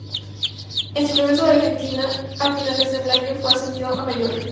En su regreso a la Argentina, a finales de año, fue ascendido a mayor.